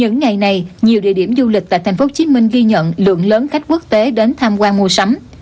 những ngày này nhiều địa điểm du lịch tại tp hcm ghi nhận lượng lớn khách quốc tế đến tham quan mua sắm